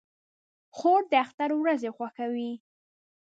خور د اختر ورځې خوښوي.